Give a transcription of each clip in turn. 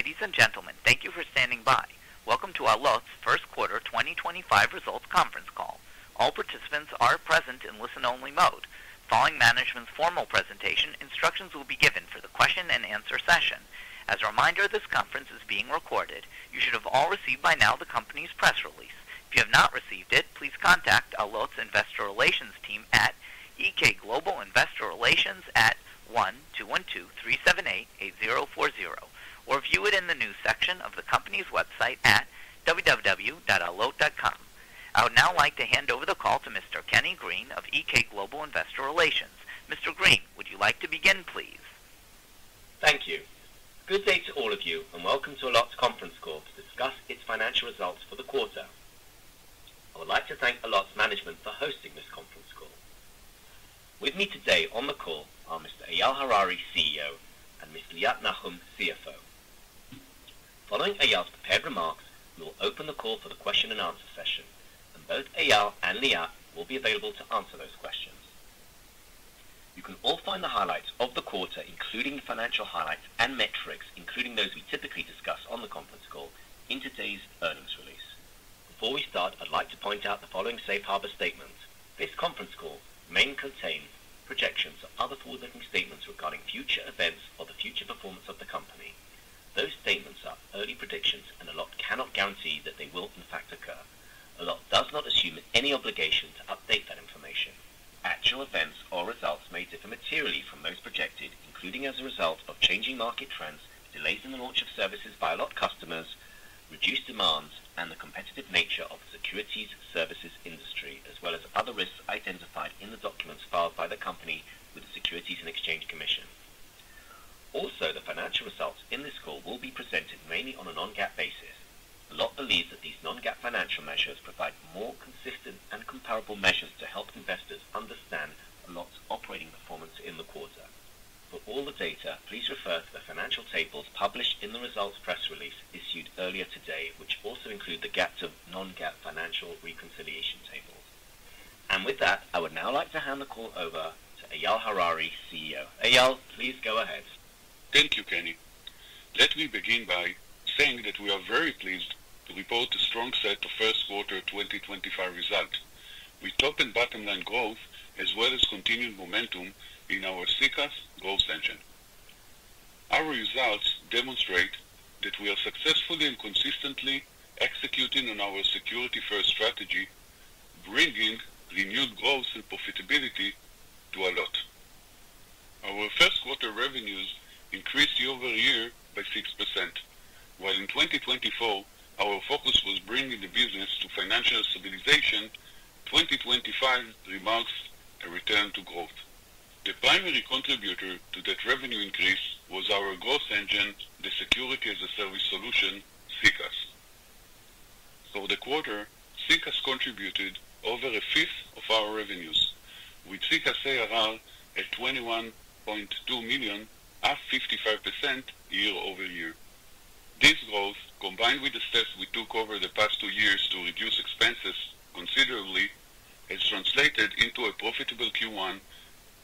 Ladies and gentlemen, thank you for standing by. Welcome to Allot's First Quarter 2025 Results Conference Call. All participants are present in listen-only mode. Following management's formal presentation, instructions will be given for the question and answer session. As a reminder, this conference is being recorded. You should have all received by now the company's press release. If you have not received it, please contact Allot's Investor Relations team at EK Global Investor Relations at 1-212-378-8040 or view it in the news section of the company's website at www.allot.com. I would now like to hand over the call to Mr. Kenny Green of EK Global Investor Relations. Mr. Green, would you like to begin, please? Thank you. Good day to all of you, and welcome to Allot's conference call to discuss its financial results for the quarter. I would like to thank Allot's management for hosting this conference call. With me today on the call are Mr. Eyal Harari, CEO, and Ms. Liat Nahum, CFO. Following Eyal's prepared remarks, we will open the call for the question-and-answer session, and both Eyal and Liat will be available to answer those questions. You can all find the highlights of the quarter, including financial highlights and metrics, including those we typically discuss on the conference call, in today's earnings release. Before we start, I'd like to point out the following safe harbor statement. This conference call may contain projections or other forward-looking statements regarding future events or the future performance of the company. Those statements are early predictions, and Allot cannot guarantee that they will, in fact, occur. Allot does not assume any obligation to update that information. Actual events or results may differ materially from those projected, including as a result of changing market trends, delays in the launch of services by Allot customers, reduced demands, and the competitive nature of the securities services industry, as well as other risks identified in the documents filed by the company with the Securities and Exchange Commission. Also, the financial results in this call will be presented mainly on a non-GAAP basis. Allot believes that these non-GAAP financial measures provide more consistent and comparable measures to help investors understand Allot's operating performance in the quarter. For all the data, please refer to the financial tables published in the results press release issued earlier today, which also include the GAAP to non-GAAP financial reconciliation tables. I would now like to hand the call over to Eyal Harari, CEO. Eyal, please go ahead. Thank you, Kenny. Let me begin by saying that we are very pleased to report the strong set of first quarter 2025 results. We top and bottom line growth, as well as continued momentum in our CCaaS growth engine. Our results demonstrate that we are successfully and consistently executing on our security-first strategy, bringing renewed growth and profitability to Allot. Our first quarter revenues increased year over year by 6%, while in 2024, our focus was bringing the business to financial stabilization, 2025 remarks, and return to growth. The primary contributor to that revenue increase was our growth engine, the security-as-a-service solution, CCaaS. For the quarter, CCaaS contributed over a fifth of our revenues, with CCaaS ARR at $21.2 million, up 55% year over year. This growth, combined with the steps we took over the past two years to reduce expenses considerably, has translated into a profitable Q1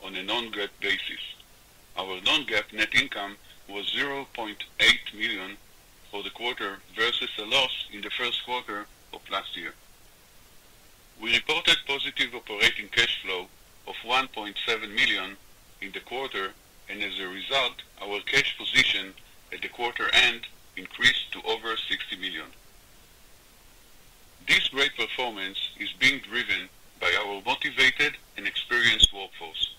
on a non-GAAP basis. Our non-GAAP net income was $0.8 million for the quarter versus a loss in the first quarter of last year. We reported positive operating cash flow of $1.7 million in the quarter, and as a result, our cash position at the quarter end increased to over $60 million. This great performance is being driven by our motivated and experienced workforce.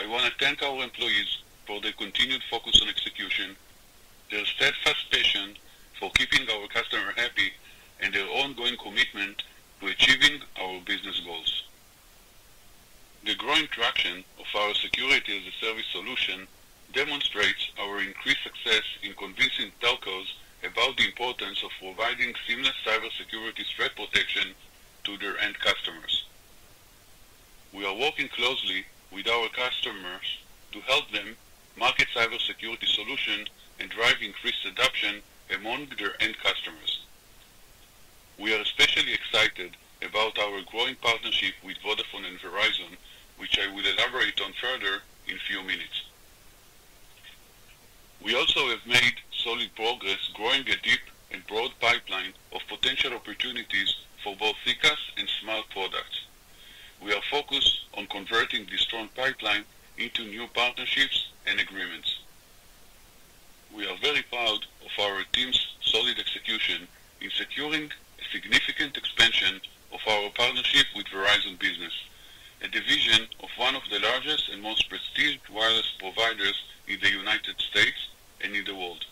I want to thank our employees for their continued focus on execution, their steadfast passion for keeping our customer happy, and their ongoing commitment to achieving our business goals. The growing traction of our security-as-a-service solution demonstrates our increased success in convincing telcos about the importance of providing seamless cybersecurity threat protection to their end customers. We are working closely with our customers to help them market cybersecurity solutions and drive increased adoption among their end customers. We are especially excited about our growing partnership with Vodafone and Verizon, which I will elaborate on further in a few minutes. We also have made solid progress growing a deep and broad pipeline of potential opportunities for both CCaaS and Smart products. We are focused on converting this strong pipeline into new partnerships and agreements. We are very proud of our team's solid execution in securing a significant expansion of our partnership with Verizon Business, a division of one of the largest and most prestigious wireless providers in the United States and in the world.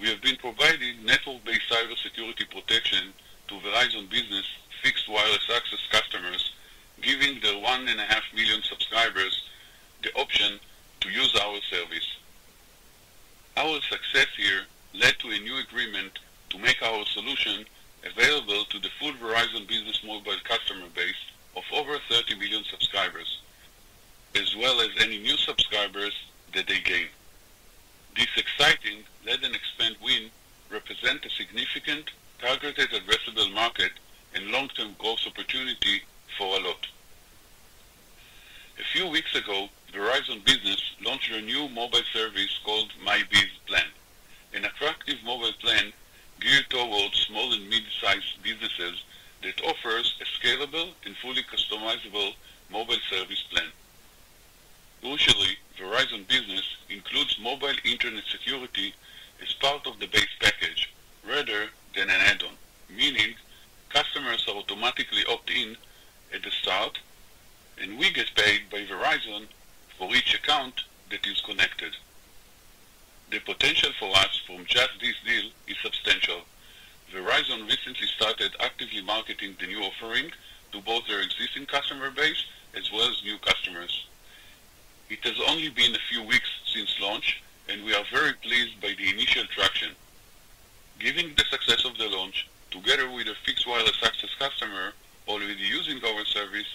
We have been providing network-based cybersecurity protection to Verizon Business Fixed Wireless Access customers, giving their one and a half million subscribers the option to use our service. Our success here led to a new agreement to make our solution available to the full Verizon Business mobile customer base of over 30 million subscribers, as well as any new subscribers that they gain. This exciting lead and expand win represents a significant targeted addressable market and long-term growth opportunity for Allot. A few weeks ago, Verizon Business launched a new mobile service called MyBiz Plan, an attractive mobile plan geared towards small and mid-sized businesses that offers a scalable and fully customizable mobile service plan. Usually, Verizon Business includes mobile internet security as part of the base package rather than an add-on, meaning customers automatically opt in at the start, and we get paid by Verizon for each account that is connected. The potential for us from just this deal is substantial. Verizon recently started actively marketing the new offering to both their existing customer base as well as new customers. It has only been a few weeks since launch, and we are very pleased by the initial traction. Given the success of the launch, together with a fixed wireless access customer already using our service,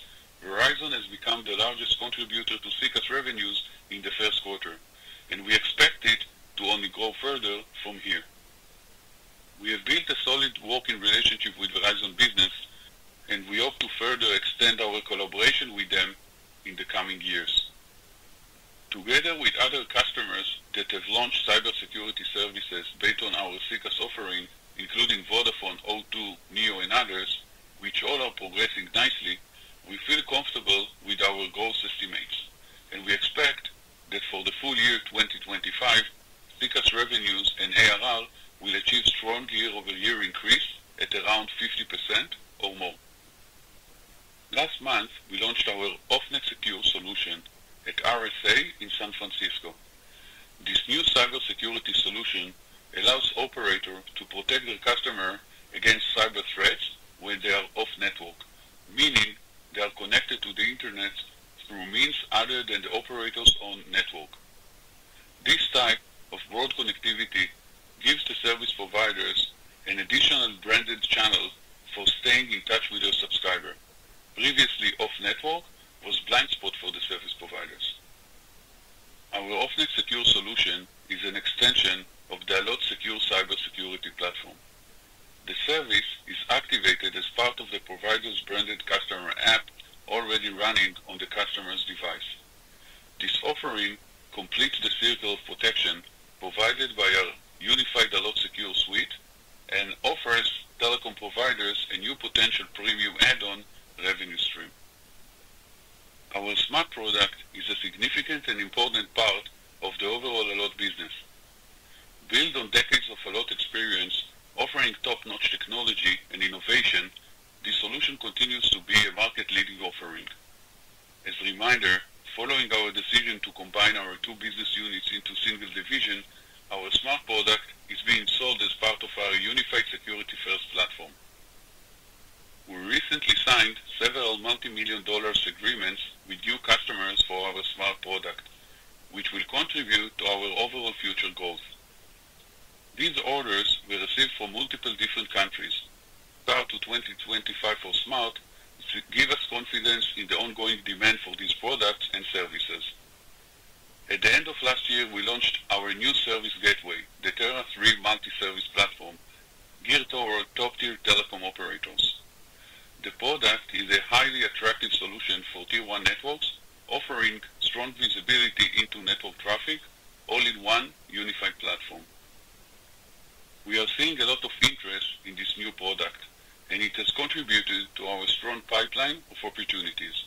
Verizon has become the largest contributor to CCaaS revenues in the first quarter, and we expect it to only grow further from here. We have built a solid working relationship with Verizon Business, and we hope to further extend our collaboration with them in the coming years. Together with other customers that have launched cybersecurity services based on our CCaaS offering, including Vodafone, O2, NEO, and others, which all are progressing nicely, we feel comfortable with our growth estimates, and we expect that for the full year 2025, CCaaS revenues and ARR will achieve strong year-over-year increase at around 50% or more. Last month, we launched our Off-Net Secure solution at RSA Conference in San Francisco. This new cybersecurity solution allows operators to protect their customers against cyber threats when they are off network, meaning they are connected to the internet through means other than the operators' own network. This type of broad connectivity gives the service providers an additional branded channel for staying in touch with their subscriber. Previously, off network was a blind spot for the service providers. Our Off-Net Secure solution is an extension of the Allot Secure cybersecurity platform. The service is activated as part of the provider's branded customer app already running on the customer's device. This offering completes the circle of protection provided by our unified Allot Secure suite and offers telecom providers a new potential premium add-on revenue stream. Our Smart Product is a significant and important part of the overall Allot business. Built on decades of Allot experience, offering top-notch technology and innovation, this solution continues to be a market-leading offering. As a reminder, following our decision to combine our two business units into a single division, our Smart Product is being sold as part of our unified security-first platform. We recently signed several multi-million dollar agreements with new customers for our Smart Product, which will contribute to our overall future growth. These orders were received from multiple different countries. Start to 2025 for Smart gives us confidence in the ongoing demand for these products and services. At the end of last year, we launched our new service gateway, the Tera III Multi-Service Platform, geared toward top-tier telecom operators. The product is a highly attractive solution for Tier 1 networks, offering strong visibility into network traffic, all in one unified platform. We are seeing a lot of interest in this new product, and it has contributed to our strong pipeline of opportunities.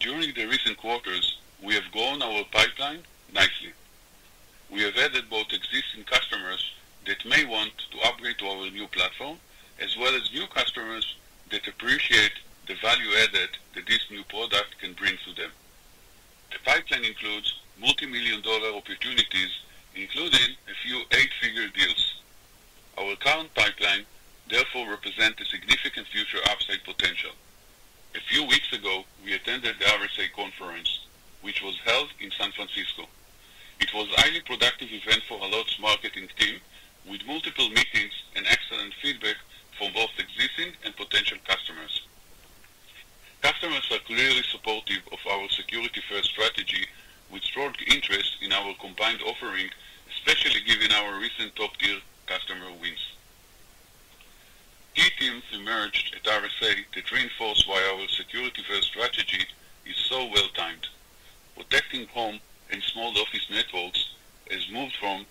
During the recent quarters, we have grown our pipeline nicely. We have added both existing customers that may want to upgrade to our new platform, as well as new customers that appreciate the value added that this new product can bring to them. The pipeline includes multi-million dollar opportunities, including a few eight-figure deals. Our current pipeline, therefore, represents a significant future upside potential. A few weeks ago, we attended the RSA Conference, which was held in San Francisco. It was a highly productive event for Allot's marketing team, with multiple meetings and excellent feedback from both existing and potential customers. Customers are clearly supportive of our security-first strategy, with strong interest in our combined offering, especially given our recent top-tier customer wins. Key themes emerged at RSA that reinforce why our security-first strategy is so well-timed. Protecting home and small office networks has moved from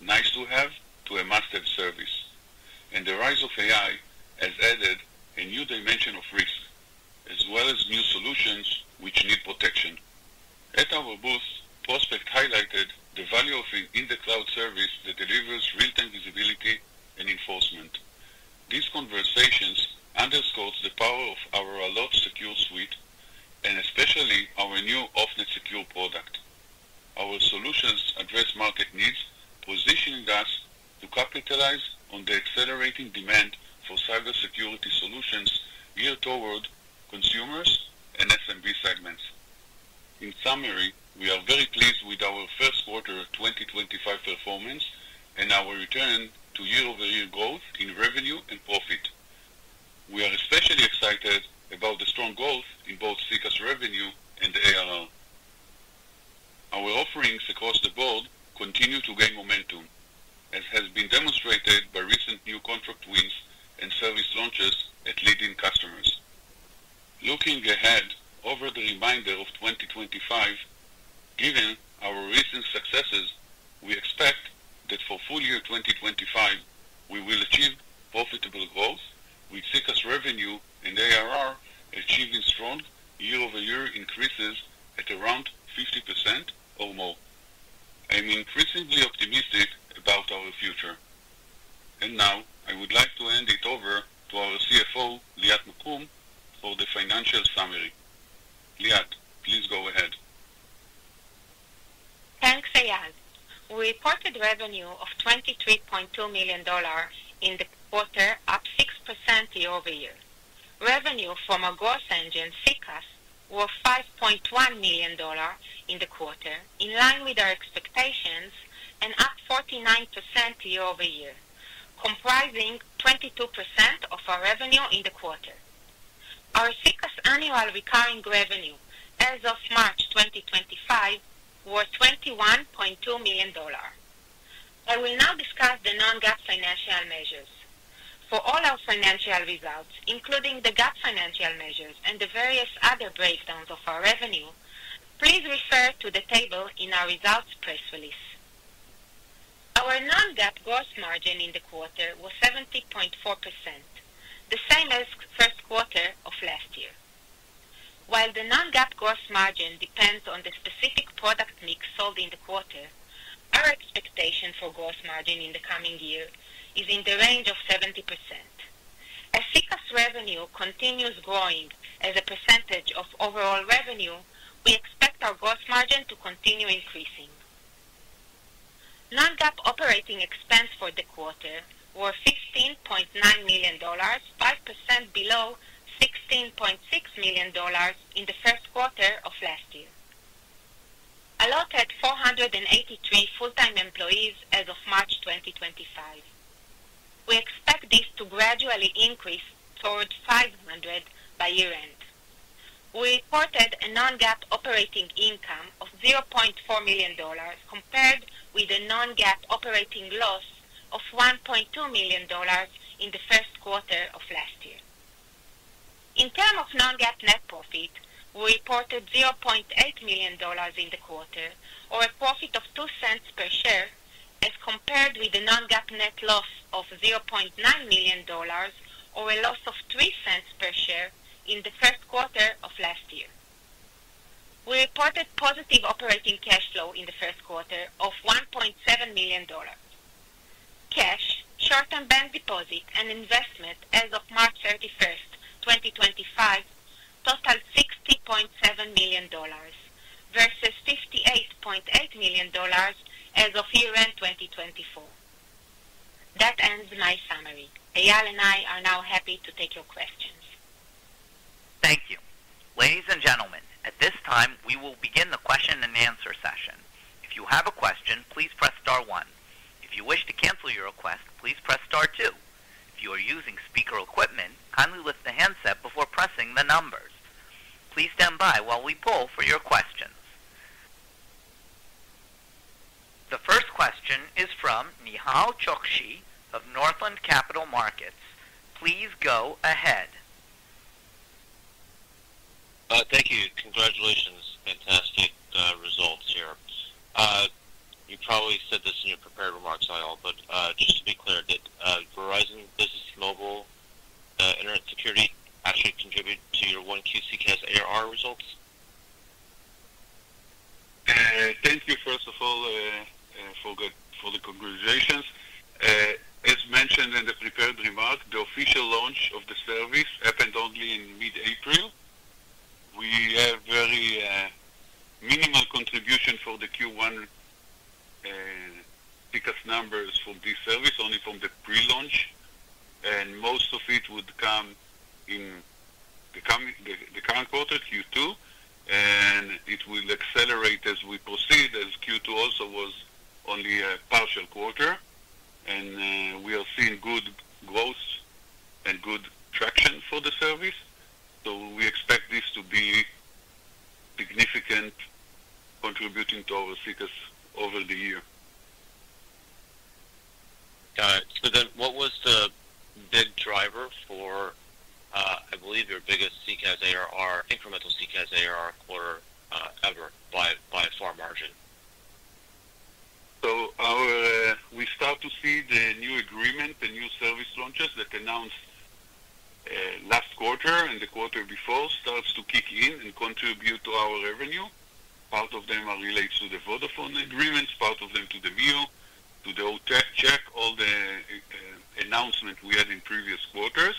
a nice-to-have to a must-have service, and the rise of AI has added a new dimension of risk, as well as new solutions which need protection. At our booth, prospects highlighted the value of an in-the-cloud service that delivers real-time visibility and enforcement. These conversations underscore the power of our Allot Secure suite and especially our new Off-Net Secure product. Our solutions address market needs, positioning us to capitalize on the accelerating demand for cybersecurity solutions geared toward consumers and SMB segments. In summary, we are very pleased with our first quarter 2025 performance and our return to year-over-year growth in revenue and profit. We are especially excited about the strong growth in both CCaaS revenue and ARR. Our offerings across the board continue to gain momentum, as has been demonstrated by recent new contract wins and service launches at leading customers. Looking ahead over the remainder of 2025, given our recent successes, we expect that for full year 2025, we will achieve profitable growth, with CCaaS revenue and ARR achieving strong year-over-year increases at around 50% or more. I'm increasingly optimistic about our future. I would like to hand it over to our CFO, Liat Nahum, for the financial summary. Liat, please go ahead. Thanks, Eyal. We reported revenue of $23.2 million in the quarter, up 6% year-over-year. Revenue from our growth engine, CCaaS, was $5.1 million in the quarter, in line with our expectations, and up 49% year-over-year, comprising 22% of our revenue in the quarter. Our CCaaS annual recurring revenue as of March 2025 was $21.2 million. I will now discuss the non-GAAP financial measures. For all our financial results, including the GAAP financial measures and the various other breakdowns of our revenue, please refer to the table in our results press release. Our non-GAAP gross margin in the quarter was 70.4%, the same as the first quarter of last year. While the non-GAAP gross margin depends on the specific product mix sold in the quarter, our expectation for gross margin in the coming year is in the range of 70%. As CCaaS revenue continues growing as a percentage of overall revenue, we expect our gross margin to continue increasing. Non-GAAP operating expense for the quarter was $15.9 million, 5% below $16.6 million in the first quarter of last year. Allot had 483 full-time employees as of March 2025. We expect this to gradually increase toward 500 by year-end. We reported a non-GAAP operating income of $0.4 million compared with a non-GAAP operating loss of $1.2 million in the first quarter of last year. In terms of non-GAAP net profit, we reported $0.8 million in the quarter, or a profit of $0.02 per share, as compared with a non-GAAP net loss of $0.9 million or a loss of $0.03 per share in the first quarter of last year. We reported positive operating cash flow in the first quarter of $1.7 million. Cash, short-term bank deposit, and investment as of March 31, 2025, totaled $60.7 million versus $58.8 million as of year-end 2024. That ends my summary. Eyal and I are now happy to take your questions. Thank you. Ladies and gentlemen, at this time, we will begin the question and answer session. If you have a question, please press star one. If you wish to cancel your request, please press star two. If you are using speaker equipment, kindly lift the handset before pressing the numbers. Please stand by while we pull for your questions. The first question is from Nshlj Chokshi of Northland Capital Markets. Please go ahead. Thank you. Congratulations. Fantastic results here. You probably said this in your prepared remarks, Eyal, but just to be clear, did Verizon Business Mobile Internet Security actually contribute to your Q1 CCaaS ARR results? Thank you, first of all, for the congratulations. As mentioned in the prepared remark, the official launch of the service happened only in mid-April. We have very minimal contribution for the Q1 CCaaAS numbers from this service, only from the pre-launch, and most of it would come in the current quarter, Q2, and it will accelerate as we proceed, as Q2 also was only a partial quarter. We are seeing good growth and good traction for the service, so we expect this to be significant, contributing to our CCaaS over the year. Got it. So then what was the big driver for, I believe, your biggest CCaaS ARR, incremental CCaaS ARR quarter ever, by a far margin? We start to see the new agreement, the new service launches that announced last quarter and the quarter before start to kick in and contribute to our revenue. Part of them relates to the Vodafone agreements, part of them to the NEO, to the O2 check, all the announcements we had in previous quarters.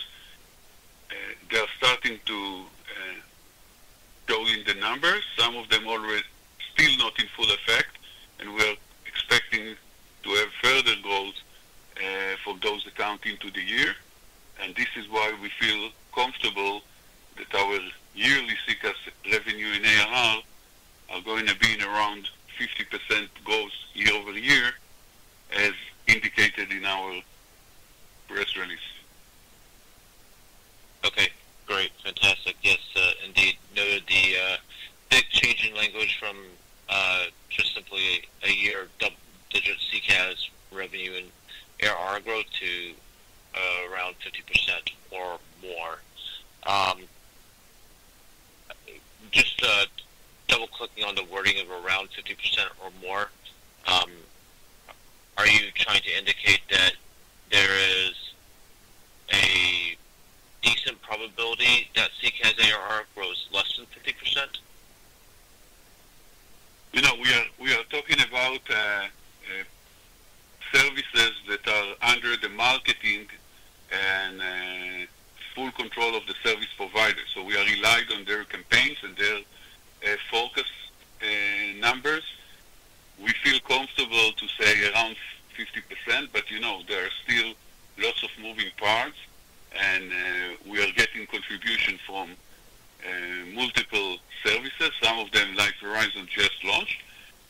They are starting to go in the numbers. Some of them are still not in full effect, and we are expecting to have further growth for those accounting to the year. This is why we feel comfortable that our yearly CCaaS revenue in ARR are going to be around 50% growth year-over-year, as indicated in our press release. Okay. Great. Fantastic. Yes, indeed. Noted the big change in language from just simply a year-digit CCaaS revenue in ARR growth to around 50% or more. Just double-clicking on the wording of around 50% or more, are you trying to indicate that there is a decent probability that CCaaS ARR grows less than 50%? We are talking about services that are under the marketing and full control of the service providers. So we are relied on their campaigns and their focus numbers. We feel comfortable to say around 50%, but there are still lots of moving parts, and we are getting contribution from multiple services, some of them like Verizon just launched,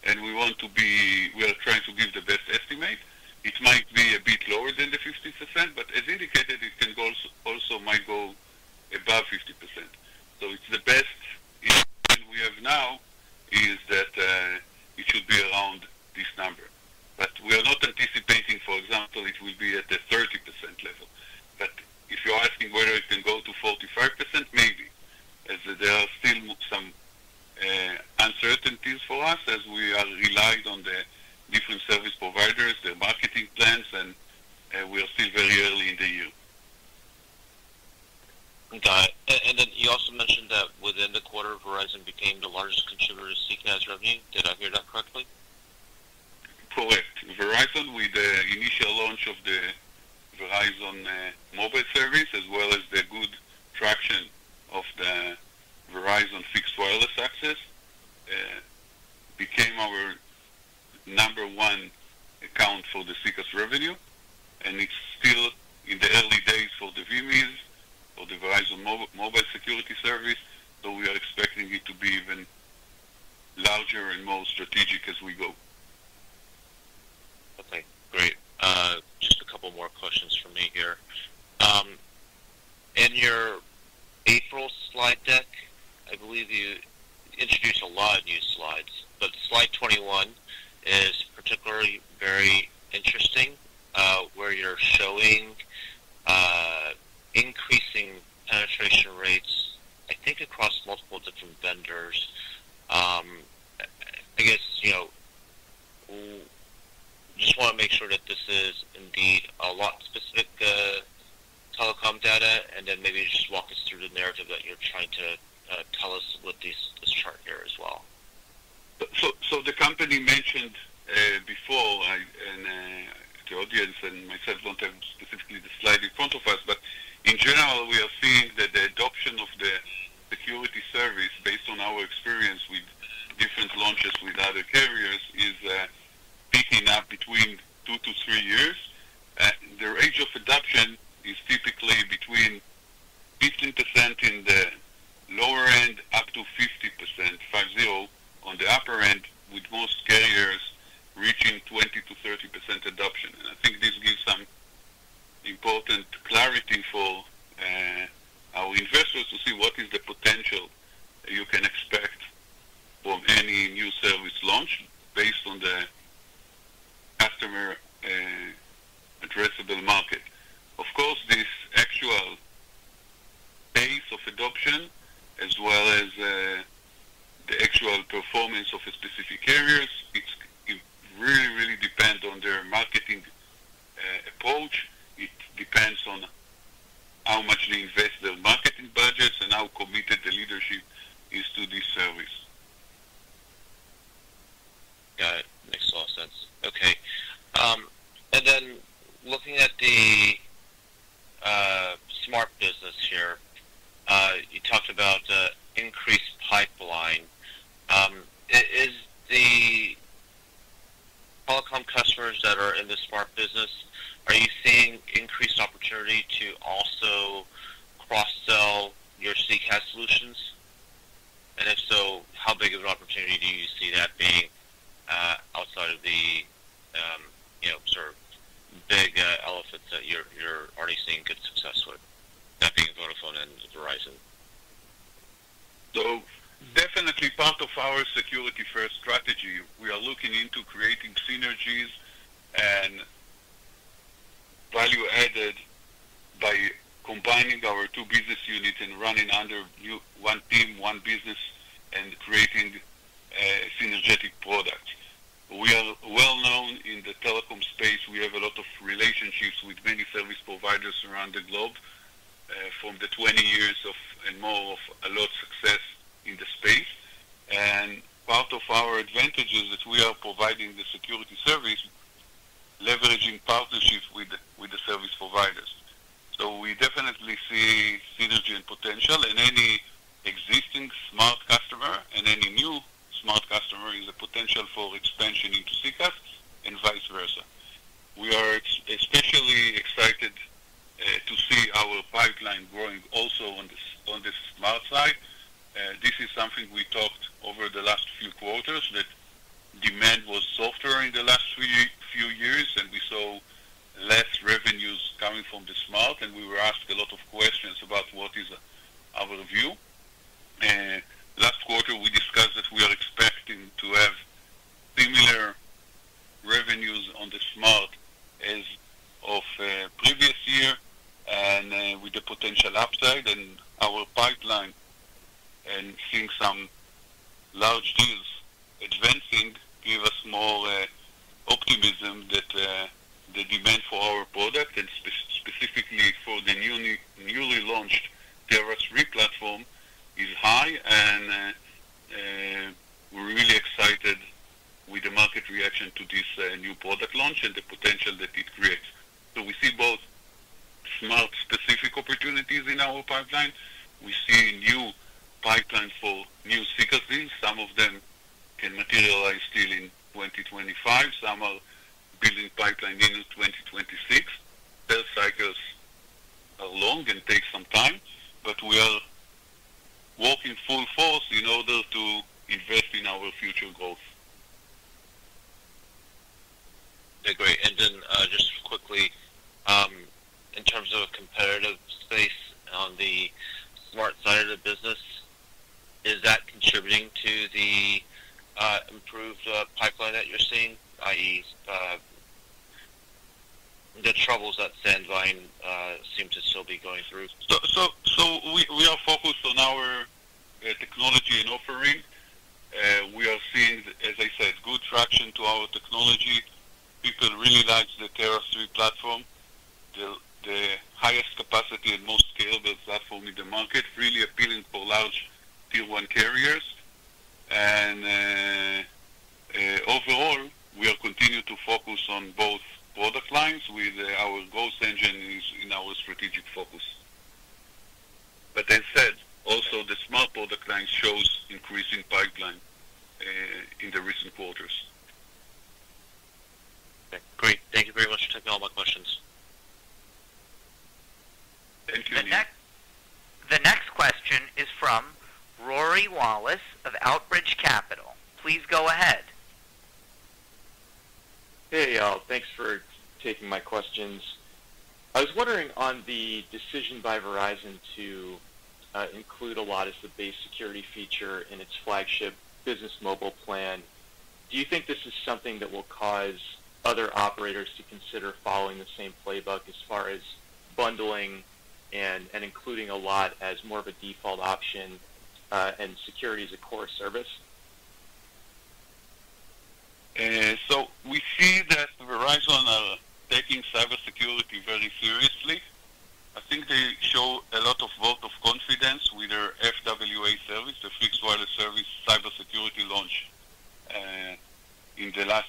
and we want to be—we are trying to give the best estimate. It might be a bit lower than the 50%, but as indicated, it can also might go above 50%. So it's the best value-added by combining our two business units and running under one team, one business, and creating a synergetic product. We are well-known in the telecom space. We have a lot of relationships with many service providers around the globe from the 20 years and more of Allot success in the space. Part of our advantage is that we are providing the security service, pipeline. We see new pipelines for new CCaaS deals. Some of them can materialize still in 2025. Some are building pipeline in 2026. Sales cycles are long and take some time, but we are working full force in order to invest in our future growth. Agreed. Just quickly, in terms of a competitive space on the Smart side of the business, is that contributing to the improved pipeline that you're seeing, i.e., the troubles that Sandvine seem to still be going through? We are focused on our technology and offering. We are seeing, as I said, good traction to our technology. People really like the Tera III platform, the highest capacity and most scalable platform in the market, really appealing for large tier-one carriers. Overall, we are continuing to focus on both product lines, with our growth engine in our strategic focus. That said, also the Smart Product line shows increasing pipeline in the recent quarters. Okay. Great. Thank you very much for taking all my questions. Thank you. The next question is from Rory Wallace of Outerbridge Capital. Please go ahead. Hey, Eyal. Thanks for taking my questions. I was wondering on the decision by Verizon to include Allot as the base security feature in its flagship Business Mobile plan, do you think this is something that will cause other operators to consider following the same playbook as far as bundling and including Allot as more of a default option and security as a core service? We see that Verizon are taking cybersecurity very seriously. I think they show a lot of vote of confidence with their FWA service, the fixed wireless service cybersecurity launch in the last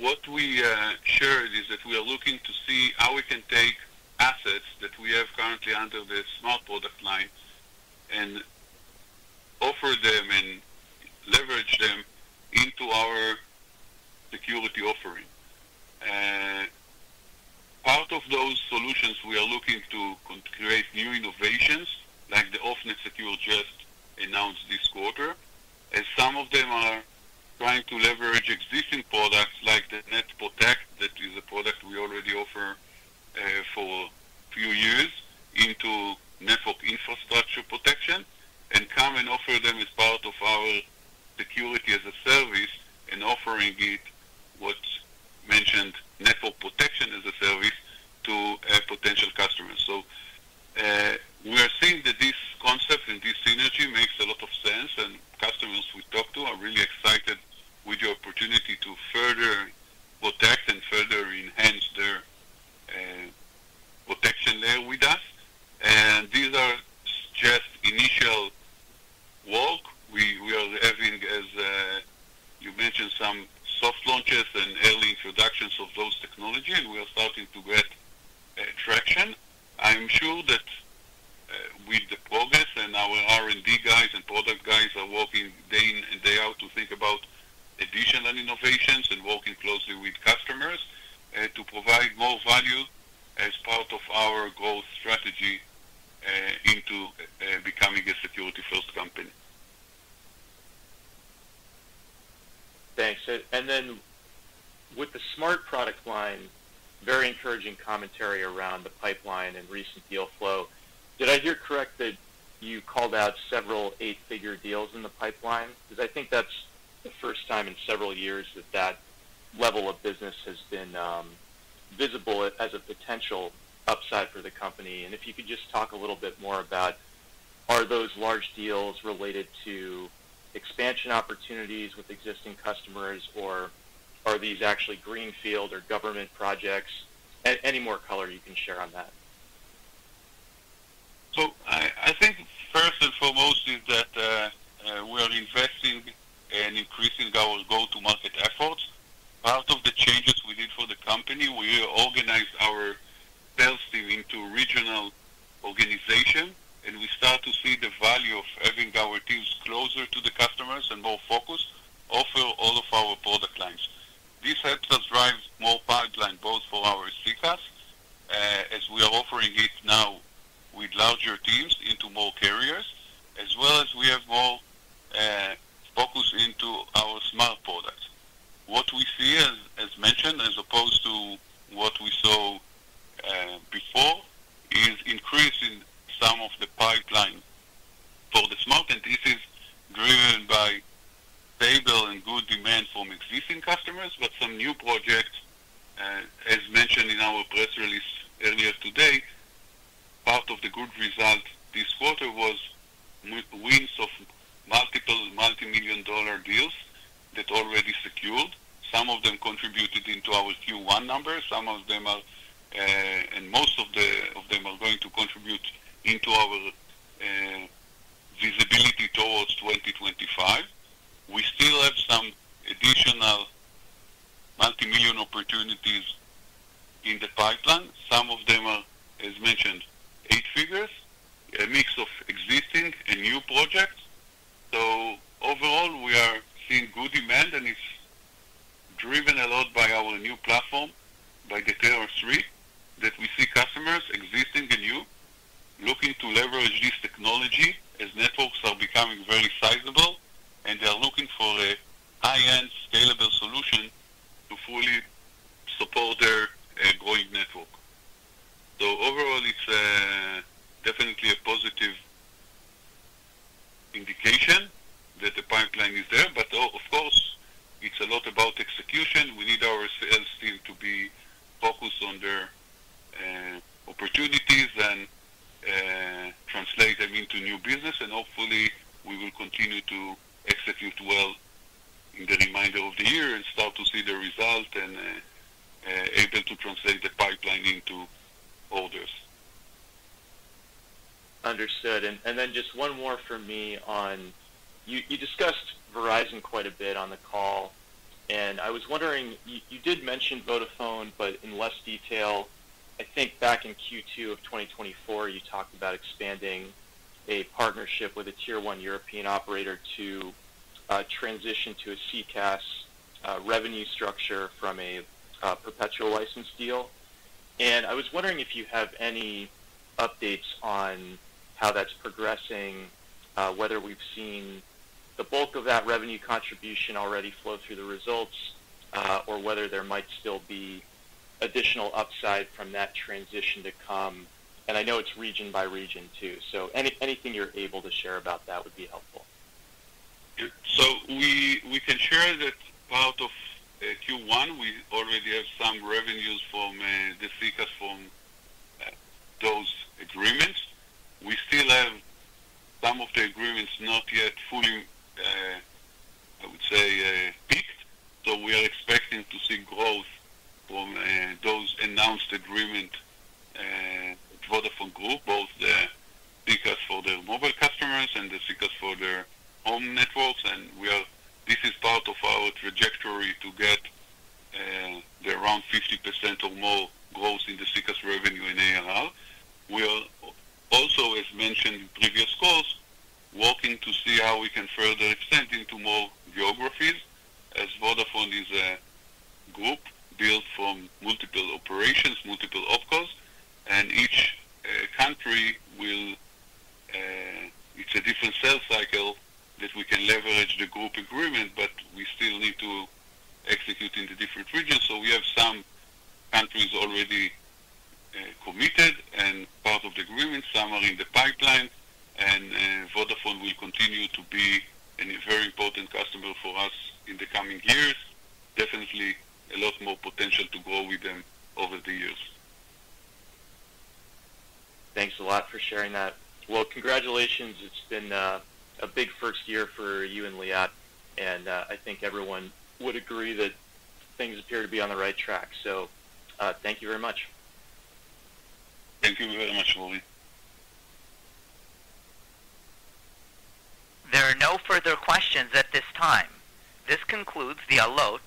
what we shared is that we are looking to see how we can take assets that we have currently under the Smart Product line and offer them and leverage them into our security offering. Part of those solutions, we are looking to create new innovations like the Off-Net Secure just announced this quarter, as some of them are trying to leverage existing products like the NetProtect, that is a product we already offer for a few years, into network infrastructure protection and come and offer them as part of our security as a service and offering it, what's mentioned, network protection as a service to potential customers. We are seeing that this concept and this synergy I think first and foremost is that we are investing and increasing our go-to-market efforts. Part of the changes we did for the company, we organized our sales team into regional organization, and we start to see the value of having our teams closer to the customers and more focused offer all of our product lines. This helps us drive more pipeline both for our CCaaS, as we are offering it now with larger teams into more carriers, as well as we have more focus into our smart products. to transition to a CCaaS revenue structure from a perpetual license deal. And I was wondering if you have any updates on how that's progressing, whether we've seen the bulk of that revenue contribution already flow through the results, or whether there might still be additional upside from that transition to come. And I know it's region by region too. So anything you're able to share about that would be helpful. We can share that part of Q1, we already have some revenues from the CCaaS from those agreements. We still have some of the agreements not yet fully, I would say, peaked. We are expecting to see growth from those announced agreements Vodafone Group, both the CCaaS for their mobile customers and the CCaaS for their home networks. This is part of our trajectory to get around 50% or more growth in the CCaaS revenue in ALL. We are also, as mentioned in previous calls, working to see how we can further extend into more geographies, as Vodafone is a group built from multiple operations, multiple opcos. Each country will, it's a different sales cycle that we can leverage the group agreement, but we still need to execute in the different regions. We have some countries already committed and part of the agreement, some are in the pipeline, and Vodafone will continue to be a very important customer for us in the coming years. Definitely a lot more potential to grow with them over the years. Thanks a lot for sharing that. Congratulations. It's been a big first year for you and Liat, and I think everyone would agree that things appear to be on the right track. Thank you very much. Thank you very much, Rory. There are no further questions at this time. This concludes the Allot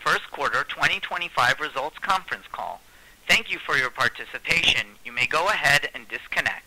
First Quarter 2025 Results Conference Call. Thank you for your participation. You may go ahead and disconnect.